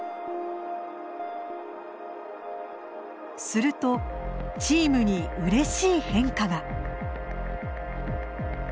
するとチームにうれしい変化が。